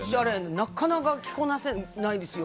なかなか着こなせないですよ。